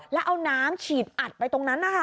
แล้วเอาน้ำฉีดอัดไปตรงนั้นนะคะ